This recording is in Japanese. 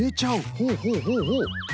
ほうほうほうほう。